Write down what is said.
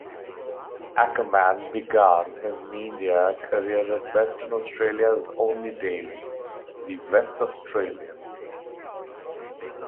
Akerman began his media career at Western Australia's only daily, "The West Australian".